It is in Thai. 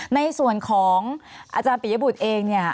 ในส่วนของอาจารย์ปียบุตรเองเนี่ย